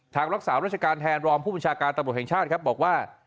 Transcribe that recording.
ทางรักษารัชการแทนรอมผู้บริมาณชาการตรรพย์แห่งชาติครับบอกว่า